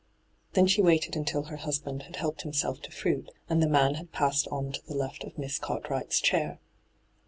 Then she waited until her husband had helped himself to fruit, and the man had passed on to the left of Miss Cartwright's chair.